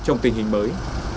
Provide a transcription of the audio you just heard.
trong tình hình mới